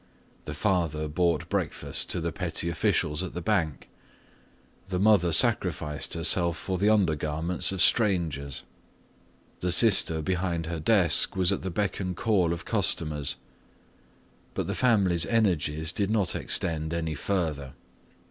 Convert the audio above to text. The father bought breakfast to the petty officials at the bank, the mother sacrificed herself for the undergarments of strangers, the sister behind her desk was at the beck and call of customers, but the family's energies did not extend any further.